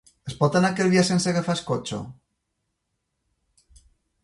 Es pot anar a Calvià sense agafar el cotxe?